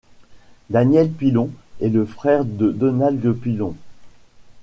Daniel Pilon est le frère de Donald Pilon.